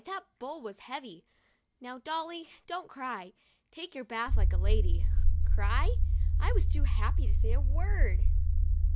that bowl was heavy. Now, Dolly, don't cry! Take your bath like a lady." Cry? I was just too happy to say a word.